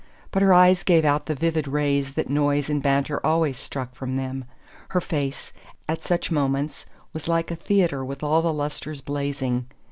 But her eyes gave out the vivid rays that noise and banter always struck from them; her face, at such moments, was like a theatre with all the lustres blazing.